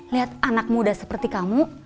lihat anak muda seperti kamu